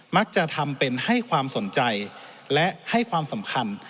มักจะทำเป็นให้ความสนใจและให้ความสำคัญ